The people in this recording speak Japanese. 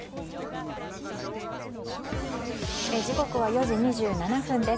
時刻は４時２７分です。